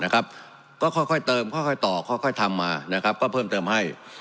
ก็ค่อยเติมค่อยต่อค่อยทำมาก็เพิ่มเติมให้